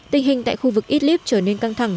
tình hình tại khu vực idlib trở nên căng thẳng